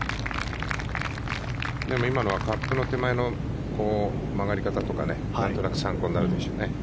でも今のはカップの手前の曲がり方とかねなんとなく参考になるでしょうね。